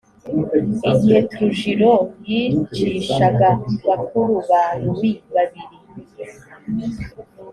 igihe trujillo yicishaga bakuru ba luis babiri